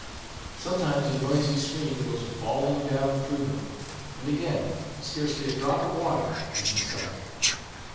Sometimes a noisy stream goes brawling down through them, and again, scarcely a drop of water is in sight.